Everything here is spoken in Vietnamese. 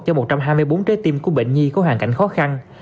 cho một trăm hai mươi bốn trái tim của bệnh nhi có hoàn cảnh khó khăn